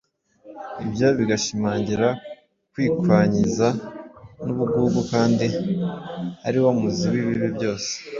ibyo bigashimangira kwikanyiza n’ubugugu kandi ari wo muzi w’ibibi byose.